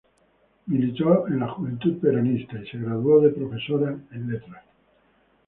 Militó en la Juventud Peronista y se graduó de profesora en Letras.